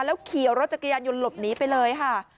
แล้วขี่รถจักรยานยนต์หลบหนีไปเลยค่ะ